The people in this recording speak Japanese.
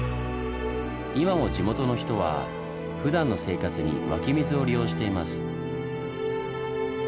今も地元の人はふだんの生活に湧き水を利用しています。